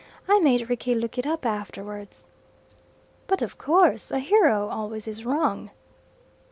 I made Rickie look it up afterwards." "But of course. A hero always is wrong."